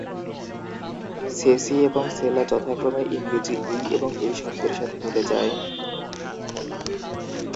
সেসি এবং সেলা যথাক্রমে ইংরেজি "এই" এবং "এই" শব্দের সাথে মিলে যায়।